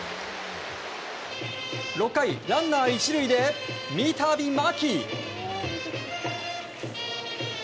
６回、ランナー１塁で三度、牧。